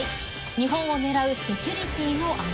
日本を狙うセキュリティの穴！